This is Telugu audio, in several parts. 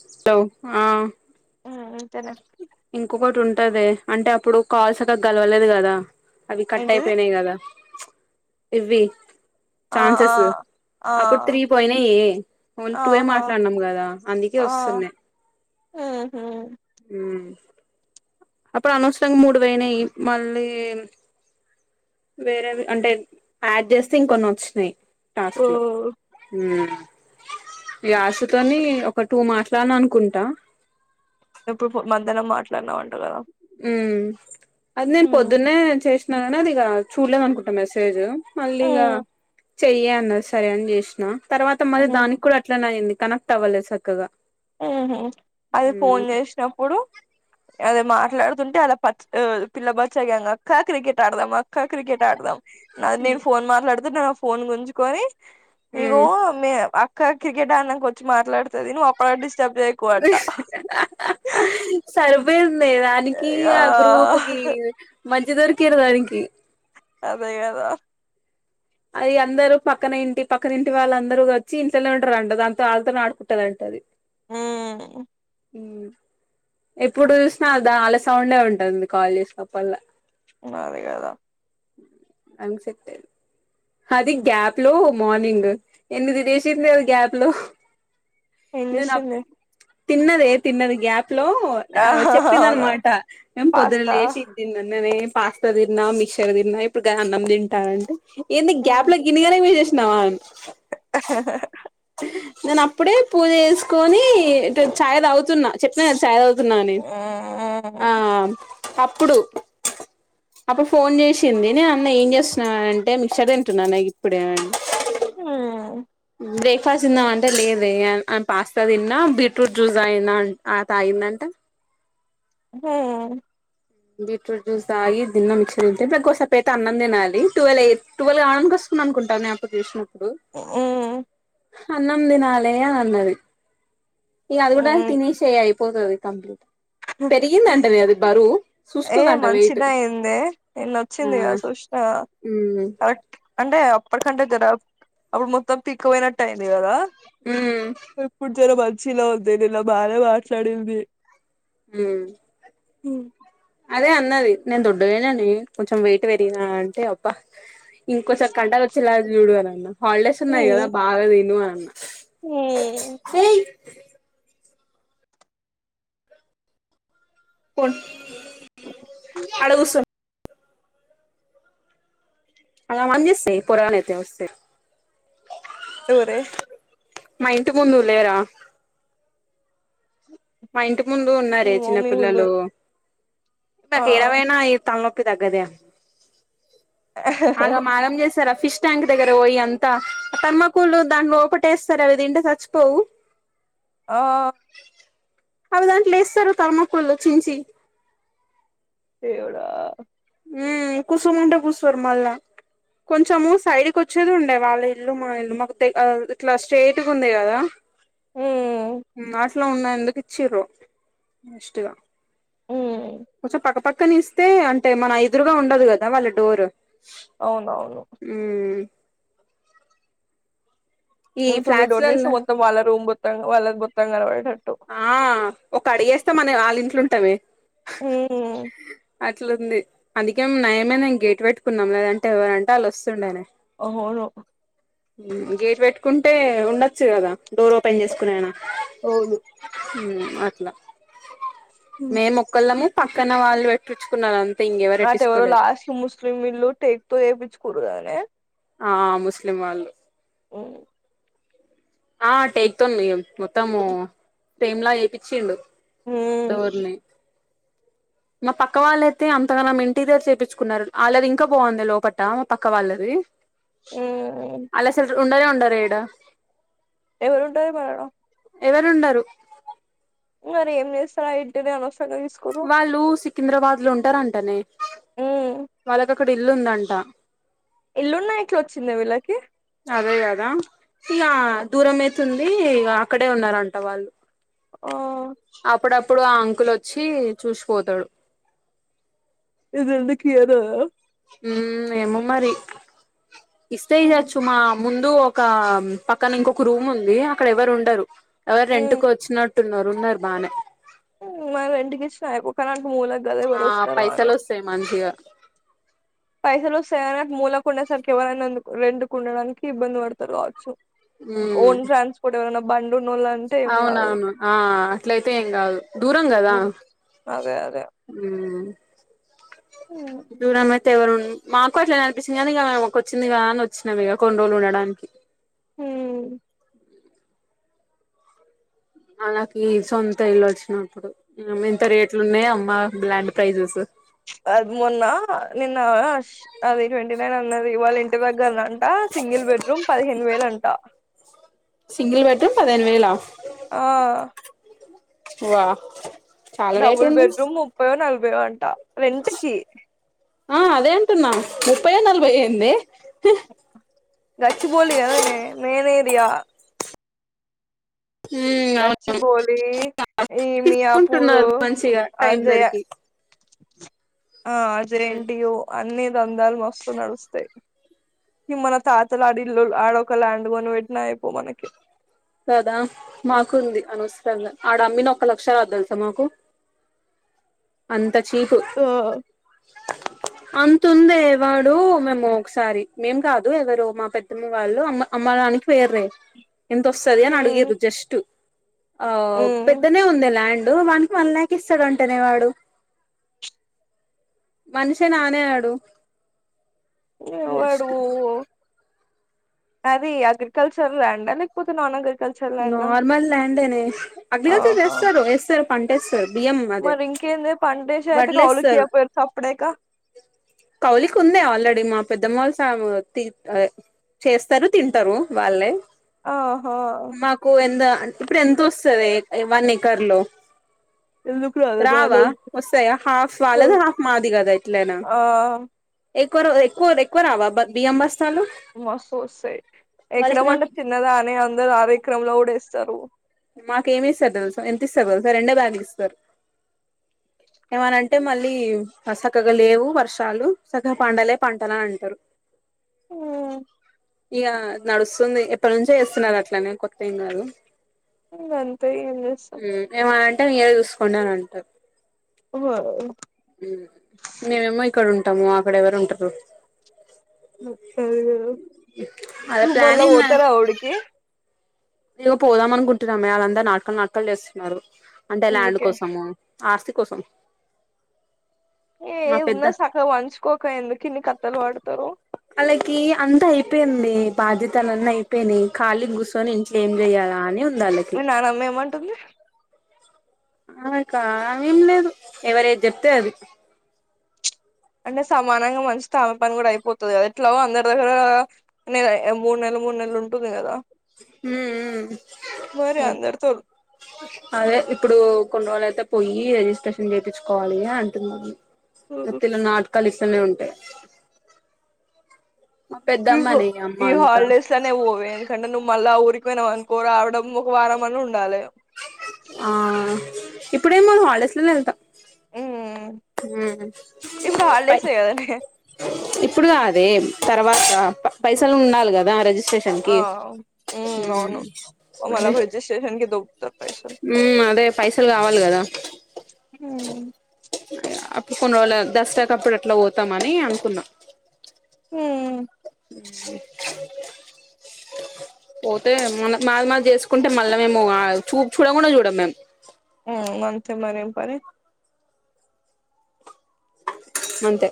హలో ఆహ్. ఇంతేలే. ఇంకొకటి ఉంటదే అంటే అప్పుడు కాల్స్ సక్కగా గలవలేదు కదా. అవి కట్ ఏంటిది అయిపోయినాయి కదా ప్చ్ ఇవ్వీ. ఆహ్. అప్పుడు త్రీ పోయినాయి ఓన్లీ టూ యే ఆహా మాట్లాడినాం కదా అందుకే వస్తున్నాయి. ఉహూ ఉమ్. ఉమ్ అప్పుడు అనవసరంగా మూడు పోయినయి మళ్ళీ. వేరేవి అంటే యాడ్ చేస్తే ఇంకొన్ని వచ్చినాయి. ఓ టాస్క్ లో ఉమ్. వ్యాసుతోని ఒక టూ మాట్లాడ్నా అనుకుంటా. ఇప్పుడు మధ్యాహ్నం మాట్లాడినావంటా కదా. ఉమ్ అది నేను ఉమ్ పొద్దున్నే చేసినానున్న అది ఇంకా చూడలేదు అనుకుంటా మెసేజ్. మళ్ళీగా ఉమ్ చెయ్యి అన్నది సరే అని చేసినా తర్వాత ఉమ్ మరిదానికి కూడా అట్లనే అయింది. కనెక్ట్ అవ్వలే సక్కగా ఉహుమ్మ్ అది ఫోన్ చేసినప్పుడు అదే మాట్లాడుతుంటే అలా పచ్ పిల్ల బచ్చగ్యాంగ్ అక్క క్రికెట్ ఆడదాం అక్క క్రికెట్ ఆడదాం నాది నేను ఫోన్ మాట్లాడితే నా ఫోన్ గుంజుకొని ఇంగొ ఉమ్ మి అ క్క క్రికెట్ ఆడినంక వచ్చి మాట్లాడుతది నువ్వు అపట్వరకు డి సరిపో యిందే దానికి ఇగ ఆ గ్రూపుకి మంచిగా దొరికిండ్రు దానికి అదే కదా అది ఇగ అందరు పక్కన ఇంటి పక్కన వాళ్ళ అందరు వచ్చి ఇంట్లోనే ఉంటారంట దాంతో ఆళ్ళతోనే ఆడుకుంటదంట అది ఉహ్మ్ ఉమ్మ్ ఎప్పుడు చూసినా దా అల సౌండే ఉంటది నేకాల్ చేసినప్పుడల్లా మాదే గాదా అంగ్ సెటైంది అది గ్యాప్లో మార్నింగ్ ఎనిమిది డేసింది అది గ్యాప్లో ఏం చేస్తుంది తిన్నదే తిన్నది గ్యాప్ ల్లో ఆహా అవునా చెప్పిందన్నమాట మేం పొద్దున పాస్తా లేచి ఇది తిన్నననే పాస్తా తిన్నా మిక్సర్ తిన్నా ఇప్పుడు గా అన్నం తింటా అంటే ఏందే ఉమ్. గ్యాప్లో గినిగనం ఎసేసీ నా అని నేను అప్పుడే పూజ చేసుకొని తే చాయ్ తాగుతున్న చెప్పిన కదా చాయ్ తాగుతున్నాఅని ఉమ్. ఆఆ అప్పుడు అప్పుడు ఫోన్ చేసింది నేనన్న ఏం చేస్తున్నవే అంటే మిక్చర్ తింటున్నానే ఇప్పుడె అని ఉమ్మ్ బ్రేక్ ఫాస్ట్ తిందాం అంటే లేదే పాస్తా తిన్నా బీ ఫ్రూట్ జ్యూస్ తాగిందా అ తాగిందంట ఉమ్మ్ బీట్రూట్ జ్యూస్ తాగి ఇదితిన్న మిక్సర్ తింటే దగ్గు వస్తాది పేతా అన్నం తినాలి టువెలే టువల్ కావడానికి వ స్తుంది అనుకుంటానే అప్పుడు చూసిన ఉమ్మ్ అన్నం తినాలే అన్నది ఇగ అదిగుడా ఉమ్. తినేసేయ్ అయిపోతది కంప్లీట్ పెరిగిందంటనే అది బరువు ఏం చూసుకోదంట వెయిట్ మంచిగానే అయిందె నిన్న ఆ వచ్చిందిగా చూసిన ఉమ్ అట్ అంటే అప్పటికంటే జర అప్పుడు మొత్తం పీకపోయినట్టు అయింది కదా ఉమ్ ఇప్పుడు జర మం చిలోవుందే నిన్న బానే మాట్లాడింది ఉమ్మ్ హ్మ్ అదే అన్నది నేను దొడ్డుగయిననే కొంచెం వెయిట్ పెరిగిన అంటే అబ్బా ఇంకోచ కండలు వచ్చేలా చుడు అనిఅన్న హాలిడేస్ ఉన్నాయి కదా బాగా తిను అని అన్న హుమ్మ్ ఏయ్ కోన్ ఆడ కూసో ఆగమాగం చేస్తాయ్ ఈపోరగాన్ని అయితే వస్తే ఎవరే మాఇంటి ముందు లేరా మా ఇంటి ముందు మీ ఉన్నారే మమ్మీ ముందు చిన్నపిల్లలు ఆ నాకు ఏడ వేయిన ఈ తలనొప్పి తగ్గదే ఆగమాగం చేస్తారు ఆ ఫీష్ ట్యాంక్ దగ్గర పోయి అంతా తర్మకోల్ దాని లోపల ఏస్తారు అవి తింటే చచ్చిపోవు ఆ అవి దాంట్లో వెస్తారు తర్మకోల్ చుంచి దేవుడా ఉ కుసోమంటే కుసోరు మళ్ళ కొంచెము సైడ్కి వచ్చేది ఉండే వాళ్ళ ఇల్లు మా ఇల్లు మాకు తె ఇట్లా స్ట్రేట్గా ఉంది కదా ఉమ్. నాట్లా ఉన్న ఎందుకు ఇచ్చిరో వెస్ట్ గా ఉమ్ కొంచం పక్కపక్కని ఇస్తే అంటే మన ఎదురుగా ఉండదు కదా వాళ్ళ డోరు అవునవును ఉ ఈ ఇప్పుడు మీ డోర్ ఫ్లాట్స్లల్ల తీస్తే మొత్తం వాళ్ళ రూమ్ మొత్తంగా వాళ్ళ మొత్తం కనాబడేటట్లు ఆ ఒక్క అడిగేస్తే మనం వాళ్ళ ఇంట్లుంటామే ఉమ్ అట్లుంది అందుకే నయమేనే మేము గేటు పెట్టుకున్నాం లేదంటే ఎవరంటే వాళ్ళు వస్తుండేనే అవును గేట్ పెట్టుకుంటే ఉండొచ్చు కదా డోర్ ఓపెన్ చేసుకునేనా అవును అట్లా మేమోక్కళ్ళము పక్కన వాళ్ళు పెట్టిచ్చుకున్నారంత అట ఎవరు లాస్ట్ ముస్లింల్లు టేక్ తో చెపిచ్చుకున్నారు కదనే ఆ ముస్లిం వాళ్ళు హ్ ఆ టేక్తో ఇగ మొత్తము ఫ్రేమ్మ్లా చేపీచ్చిండు డోర్నీ మా పక్క వాళ్ళయితే అంతగానం ఇంటీరియర్ చేపిచ్చుకున్నారు ఆళ్ళది ఇంకా బాగుంది లోపట మా పక్క వాళ్ళది ఉమ్ అల్లు అసలు ఉండనే ఉండరూ ఇడ ఎవరు ఉంటారు మాడం ఎవరున్నారు మరి ఏం చేస్తారు ఆ ఇంటినీ అనవసరంగా తీసుకున్నారు వాళ్ళు సికింద్రాబాద్ లో ఉంటారంటనే ఉమ్ వాళ్ళకు అక్కడ ఇల్లుందంట ఇల్లున్నా ఎట్లా వొచ్చిందే వీళ్ళకి అదే గాదా ఇక దూరం అయితుంది ఇగా అక్కడే ఉన్నారంట వాళ్ళు ఆ అప్పుడప్పుడు ఆ అంకులు వచ్చి చూసిపోతాడు ఇది ఎందుకు ఇయాలేదా ఉ ఏమో మరి ఇస్తే ఉమ్ ఇయాచ్చు మా ముందు ఒక పక్కన ఇంకొక రూమ్ ఉంది. అక్కడ ఎవరు ఉండరు ఎవరో రెంట్ కు వచ్చిన ఉన్నరూ ఉన్నరూ బాగానే మ రెంటికీ ఇచ్చిన అయిపో కని అది మూలకి గద ఆ ఏవరు వస్తారు అని పైసలు వస్తాయి మంచిగా పైసలు వస్తయనే మూల ఉండేసరికి ఎవరైనా రెంటుకు ఉండడానికి ఇబ్బంది పడతారు కావచ్చు మ్మ్ ఓన్ ట్రాస్పోర్ట్ ఎవరన్న బం అవునవును ఆ అట్లయితే ఏం కాదు దూరం గాదా అదే అదే నువ్వు నమ్మితే ఎవరు ఉం మాకు అట్లానే అనిపించింది కానీ ఇక అక్క ఓచ్చింది కదా అని వచ్చినాము ఇక కొన్ని రోజులు ఉండడానికి హ్ అల్లకి సొంత ఇల్లు వచ్చినప్పుడు ఎంత రేట్లు ఉన్నాయ అమ్మా బ్లాండ్ ప్రైజెస్ అది మొన్న నిన్న అది ట్వంటీ నైన్ అన్నది వాళ్ళ ఇంటి దగ్గర ట సింగిల్ బెడ్ రూమ్ పదిహేను వేల అంటా పదిహెను వేలా ఆ వా చాలా రేట్ డబుల్ ఉంది బెడ్రూమ్ ముప్పయో నలభై అంట రెంట్ కి ఆ అదే అంటున్నా ముప్పయో నలభై ఎంది ఎ గచ్చిభౌలి కదేనే మెయిన్ ఏరియా ఊ అవును గచ్చిబౌలి [unintelligible] ఈ మియాపూరు తీసుకుంటున్నారు మంచిగా టైం అజయ దొరికి ఆ జె ఎన్ టి యు అన్ని దందాలు మస్తు నడుస్తాయి ఈ మన తాతలు ఆడిల్లు ఆడొక ల్యాండ్ కొనిపెట్టిన అయిపోవు మనకి కదా మాకుంది అనవసరంగా ఆడ అమ్మిన ఒక లక్ష రాదు తెలుసా మాకు అంత చీపు ఆ అంతుందే వాడు మేము ఒకసారి మేం కాదు ఎవరో మా పెద్దమ్మ వాళ్లు అమ్ అమ్మ డానికి పోయిర్రు ఎంత వస్తది అని ఉమ్ అడిగిర్రు జస్ట్ ఆ ఉమ్ పెద్దనే ఉందే ల్యాండ్ దానికి వన్ ల్యాక్ ఇస్తాడంటనే వాడు మనిషినేనా వాడు వాడు వేస్ట్ అది అగ్రికల్చర్ ల్యాండా లేకపోతే నార్మల్గా నార్మల్ ల్యాండే నే అగ్రికల్చర్ ఆహా చేస్తారు ఏస్తారు పంట ఏస్త తారు బియ్యం అదే మరి ఇంకేందే పంటేసి అయితే వడ్లు ఏస్తారు కౌలుకియపోయారు సప్పుడేక కౌలికు ఉన్నాయి ఆల్రెడీ మా పెద్దమ్మ వాళ్లు తిత్తారు చేస్తారు తింటారు వాళ్లే ఆ మాకు ఎంత ఇప్పుడు ఎంత వస్తదే వన్ ఎకర్ లో ఎందుకు రాలే బానే రావా వస్తాయి వస్తాయా హాఫ్ వాళ్లది హాఫ్ మాది కదా ఎట్లైనా ఆ ఎక్కువ ఎక్కువ ఎక్కువ రావా బియ్యం బస్ మస్తు వస్తాయి వాళ్ళకి ఎకరం అంటే మాకు చిన్నదానే అందరు ఆర ఎకరం లో కూడా ఏస్తారు మాకు ఏమి ఇస్తారు తెలుసా ఎంత ఇస్తారు తెలుసా రెండే బ్యాగులు ఇస్తారు ఏమనంటే మళ్లీ సక్కగా లేవు వర్షాలు సక్కగా పండలే పంటలు అని అంటారు ఉమ్ ఇగా నడుస్తుంది ఎప్పటి నుంచే చేస్తున్నారు అట్లనే కొత్త ఏం గాదు ఇంగ అంతే ఇగ మ్ ఏమన్నా అంటే మీరే చూసుకోండి అని అంటారు ఊ ఆ ఊ మ్ మేమేమో ఇక్కడ ఉంటాము అక్కడ ఎవరు ఉంటారు అదే కదా అదే ప్లాన్ మళ్ళా ఏంద పోతార వుడికి ఇగ పోదాం అనుకుంటున్నా మే వాళ్లందరు నాట్కలు నాట్కలు చేస్తున్నారు అంటే ల్యాండ్ అందుకే కోసము ఆస్తి కోసం ఏ మా పెద్ద ఉన్నది సక్కగా పంచుకోక ఎందుకు ఇన్ని కథలు పడతారు ఆళ్లాకి అంతా అయిపోయింది బాధ్యతలన్నీ అయిపోయినాయి ఖాళీ కూర్చొని ఇంట్లో ఏం చేయ్యాలా అని ఉం మీ నానమ్మ ఏమంటుంది ఆమేకా ఏం లేదు ఎవరు ఏది చెప్తే అది అంటే సమానంగా పంచితే ఆమె పని కూడా అయిపోతది కదా ఎట్లాగో అందరి దగ్గర నెల మూడు నెల్ మూడు నెల్లు ఉంటుంది కదా ఊమ్ మరి ఉం ఊమ్ అందరితో అదే ఇప్పుడు కొన్ని రోజులు అయితే పోయి రిజిస్ట్రేషన్ చేపిచ్చుకోవాలి అంటుది ఇది మత్తిలో నాటకాలు ఇస్త్ స్తనే ఉంటాయ్ ఇగో ఈ అంతా హాల్డేస్ లొనే పోవే ఎందుకంటే నువ్వు మళ్ల ఊర్ రికి పోయినవ్అనుకో రావడం ఒక వారం అన్న ఉండాలి ఇప్పుడేం పోను హాల్ డేస్ లనే ఎళ్తా మ్మ్ ఉమ్ ఇప్పుడు బై హాలిడేసే కదనే ఇప్పుడు కాదే తర్వాత పైసలు ఉండాలి కదా రిజిస్ స్ట్రేషన్ కి ఆ మ్మ్ ఉంమ్ అవును మళ్ళ మరి రిజిస్ట్రేషన్ కి దొబ్బుతారు పైసలు ఉమ్ అదే పైసలు కావాలి కదా మ్మ్ అప్పుడు కొన్ని రోజుల దసర కప్పుడు అట్లా పోతామని అనుకున్నామ్ ఉమ్ [inaudible] పోతే మన మాది మాది చేసుకుంటే మళ్ళా మేము చూపు చూడకుండా చూడము మేము ఉమ్ అంతే మరేం పని అంతే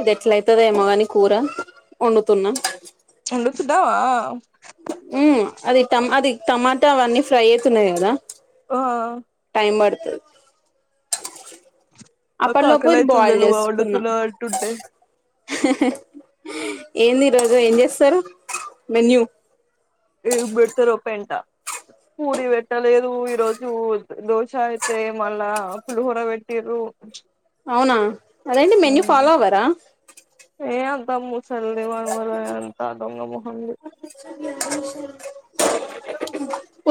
ఇది ఎట్ల అయితదేమో కాని కూర వండుతున్నా వండుతున్నావా ఉం అది టమ్ అది టమాటా అవన్నీ ఫ్రై అవుతున్నాయ్ కదా ఆ వినబడతది నాకు అప్పట్లోపు ఇది ఆకలైతుంది బోయిల్ నువ్వు చేసుకున్నా వండుతున్నావ్ అంటుంటే హాహ హా ఏంది ఈ రోజు ఏం చేస్తారు మెన్యూ ఏం పెడతరో పెంట పూరి పెట్టలేదు ఈరోజు దోశ అయితే మళ్ళా పులిహోర పెట్టి అవునా అదేంటి మెన్యూ ఉమ్, ఫాలో అవరా ఏ అంతా మూసలిది వాల్ వాళ్ళ [unintelligible] వ అంత దొంగ మెహంది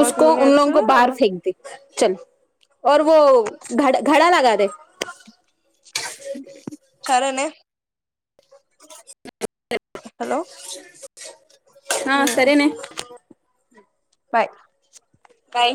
మా జూనియర్స్ [unintelligible] సరేనే హలో ఆ సరేనే బాయ్ బాయ్